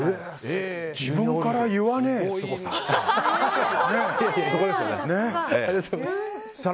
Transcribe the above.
自分から言わねえすごさ。